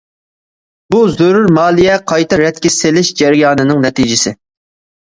بۇ زۆرۈر مالىيە قايتا رەتكە سېلىش جەريانىنىڭ نەتىجىسى.